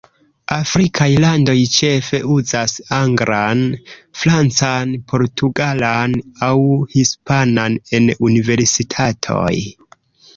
Afrikaj landoj ĉefe uzas anglan, francan, portugalan, aŭ hispanan en universitatoj.